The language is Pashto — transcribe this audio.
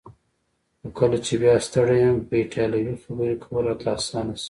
خو کله چې بیا ستړی یم په ایټالوي خبرې کول راته اسانه شي.